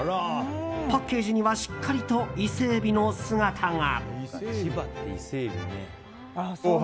パッケージにはしっかりと伊勢えびの姿が。